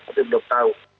tapi belum tahu